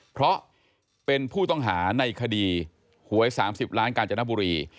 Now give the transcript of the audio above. เพราะเป็นผู้ต้องหาในคดีหวย๓๐ล้านกาญจนบุรี